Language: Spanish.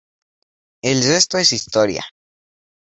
El resto es historia.